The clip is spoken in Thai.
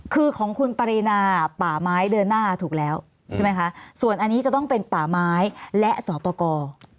คือของคุณปรินาป่าไม้เดินหน้าถูกแล้วใช่ไหมคะส่วนอันนี้จะต้องเป็นป่าไม้และสอบประกอบ